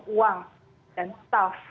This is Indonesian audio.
uang dan staf